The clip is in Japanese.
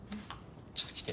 ちょっと来て。